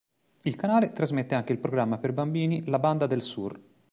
Il canale trasmette anche il programma per bambini "La Banda del Sur".